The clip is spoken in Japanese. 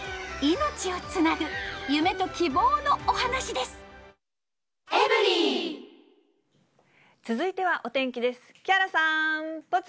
命をつなぐ、夢と希望のお話続いてはお天気です。